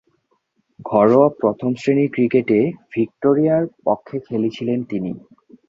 ঘরোয়া প্রথম-শ্রেণীর ক্রিকেটে ভিক্টোরিয়ার পক্ষে খেলেছিলেন তিনি।